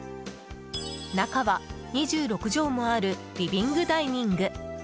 中は２６畳もあるリビングダイニング！